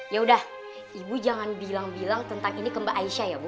ya udah ibu jangan bilang bilang tentang ini ke mbak aisyah ya bu